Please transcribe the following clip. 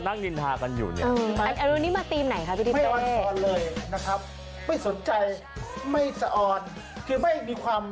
สวัสดีครับสวัสดีครับสวัสดีครับ